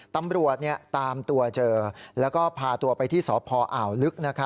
ตำรวจตามตัวเจอแล้วก็พาตัวไปที่สพอ่าวลึก